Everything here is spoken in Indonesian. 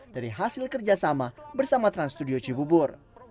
dari hasil kerjasama bersama trans studio cibubur